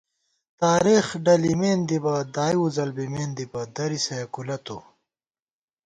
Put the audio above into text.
تارېخ ڈلِمېن دِبہ ، دائی وُزل بِمېن دِبہ ، درِسہ یېکُولہ تُو